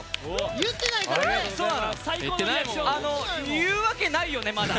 言うわけないよねまだ。